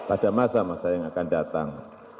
dan bangsa yang makmur pada masa masa yang akan datang